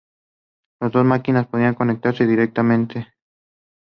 According to records he had several disagreements with various merchants in the city.